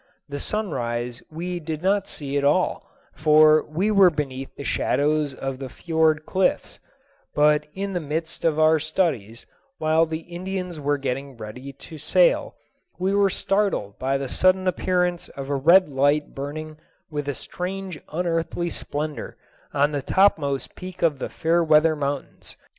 The sunrise we did not see at all, for we were beneath the shadows of the fiord cliffs; but in the midst of our studies, while the Indians were getting ready to sail, we were startled by the sudden appearance of a red light burning with a strange unearthly splendor on the topmost peak of the Fairweather Mountains.